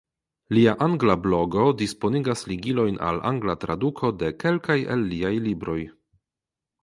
Lia angla blogo disponigas ligilojn al angla traduko de kelkaj el liaj libroj.